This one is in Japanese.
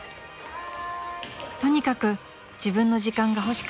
［とにかく自分の時間が欲しかったらいち君］